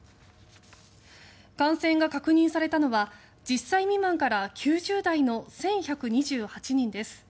感染が確認されたのは１０歳未満から９０代の１１２８人です。